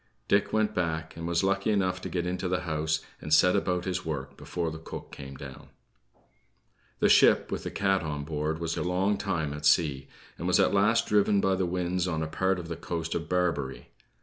Dick went back, and was lucky enough to get into the house and set about his work before the cook came down. The ship, with the cat on board, was a long time at sea; and was at last driven by the winds on a part of the coast of Barbary.